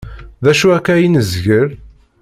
D acu akka ay nezgel?